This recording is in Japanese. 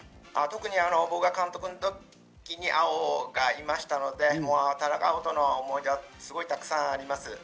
僕が監督のときに碧がいましたので、田中碧との思い出はすごいたくさんあります。